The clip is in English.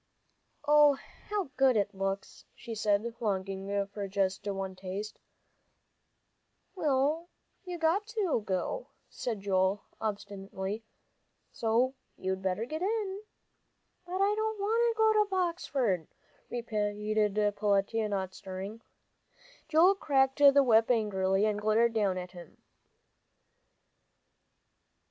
"Oh, how good it looks!" she said, longing for just one taste. "Well, you've got to go," said Joel, obstinately, "so get in." "I don't want to go to Boxford," repeated Peletiah, not stirring. Joel cracked the whip angrily, and glared down at him.